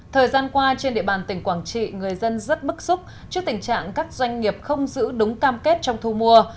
thời gian qua trên địa bàn tỉnh quảng trị người dân rất bức xúc trước tình trạng các doanh nghiệp không giữ đúng cam kết trong thu mua